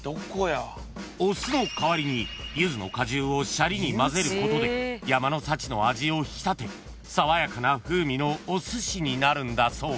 ［お酢の代わりにユズの果汁をシャリにまぜることで山の幸の味を引き立て爽やかな風味のおすしになるんだそう］